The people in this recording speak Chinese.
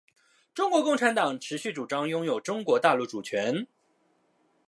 中国共产党持续主张拥有中国大陆主权。